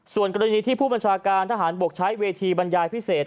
ส่วนกรณีที่ผู้บัญชาการทหารบกใช้เวทีบรรยายพิเศษ